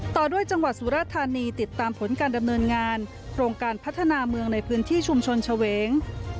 ต่อด้วยจังหวัดสุรธานีติดตามผลการดำเนินงานโครงการพัฒนาเมืองในพื้นที่ชุมชนเฉวง